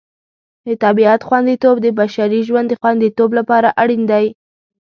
د طبیعت خوندیتوب د بشري ژوند د خوندیتوب لپاره اړین دی.